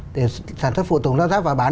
để sản xuất phụ tùng lo sát và bán